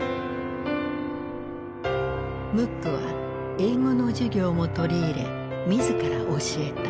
ムックは英語の授業も取り入れ自ら教えた。